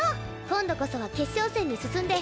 今度こそは決勝戦に進んで。